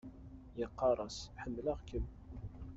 Yeqqar-as: Ḥemmleɣ-kem.